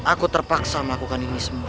aku terpaksa melakukan ini semua